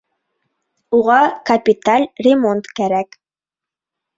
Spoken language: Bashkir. Уға капиталь ремонт кәрәк.